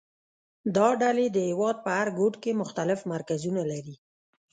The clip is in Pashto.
دا ډلې د هېواد په هر ګوټ کې مختلف مرکزونه لري